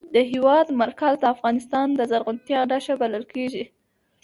د هېواد مرکز د افغانستان د زرغونتیا نښه بلل کېږي.